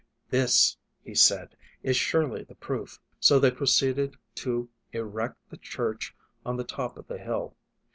"This," he said, "is surely the proof." So they proceeded to erect the church on the top of the hill.